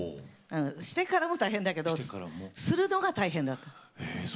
してからも大変だけどするのが大変だった。